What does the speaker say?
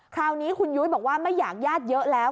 คราวนี้คุณยุ้ยบอกว่าไม่อยากญาติเยอะแล้ว